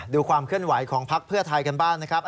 ดูความเคลื่อนไหวของพักเพื่อไทยกันบ้างนะครับ